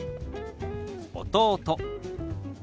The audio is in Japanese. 「弟」。